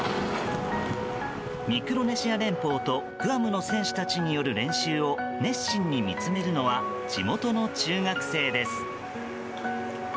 ミクロネシア連邦とグアムの選手たちによる練習を熱心に見つめるのは地元の中学生です。